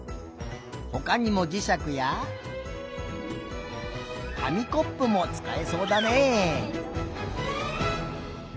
ほかにもじしゃくや紙コップもつかえそうだねえ。